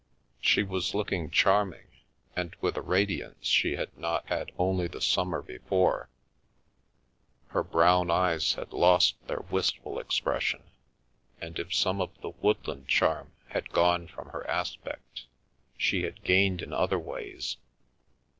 She was looking charming, and with a radiance she had not had only the summer before, her brown eyes had lost their wistful expression, and if some of the woodland charm had gone from her aspect, she had gained in other ways.